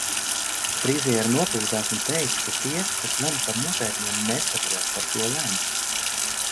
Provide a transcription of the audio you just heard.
Friziere nopūtās un teica, ka tie, kas lemj par noteikumiem, nesaprot, par ko lemj.